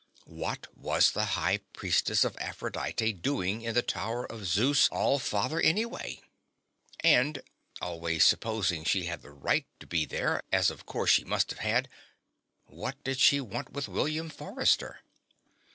What was the High Priestess of Aphrodite doing in the Tower of Zeus All Father anyway? And always supposing she had the right to be there, as of course she must have had what did she want with William Forrester?